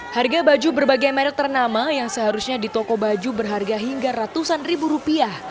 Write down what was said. harga baju berbagai merek ternama yang seharusnya di toko baju berharga hingga ratusan ribu rupiah